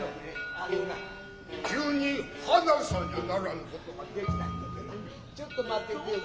あのな急に話さにゃならぬことができたによってなちょっと待ってておくれ。